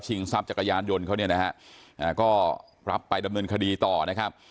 ชิงทรัพย์จักรยานยนต์เขาบหัวหายไปดำเนินคดีต่อนะครับ